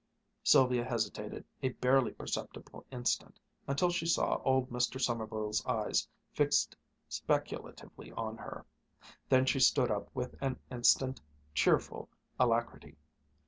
Sylvia hesitated a barely perceptible instant, until she saw old Mr. Sommerville's eyes fixed speculatively on her. Then she stood up with an instant, cheerful alacrity.